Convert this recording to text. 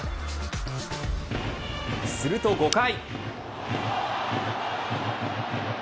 すると５回。